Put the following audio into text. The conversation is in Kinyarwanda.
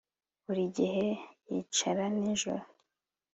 Buri gihe yicara nijoro